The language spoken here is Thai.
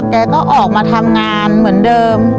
แกก็ออกมาทำงานเหมือนเดิม